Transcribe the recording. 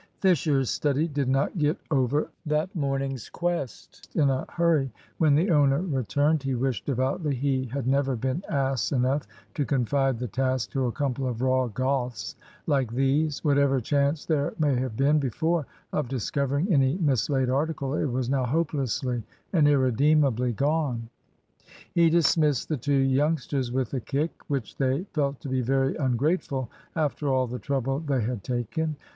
Fisher's study did not get over that morning's quest in a hurry. When the owner returned, he wished devoutly he had never been ass enough to confide the task to a couple of raw Goths like these. Whatever chance there may have been before of discovering any mislaid article, it was now hopelessly and irredeemably gone. He dismissed the two youngsters with a kick, which they felt to be very ungrateful after all the trouble they had taken.